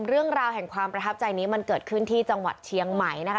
เรื่องราวแห่งความประทับใจนี้มันเกิดขึ้นที่จังหวัดเชียงใหม่นะคะ